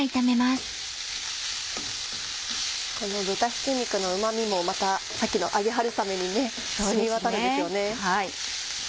この豚ひき肉のうま味もまたさっきの揚げ春雨に染み渡るんですよね。